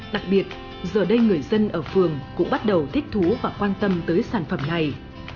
đặc biệt giờ đây người dân ở phường cũng bắt đầu thích thú và quan tâm tới sản phẩm này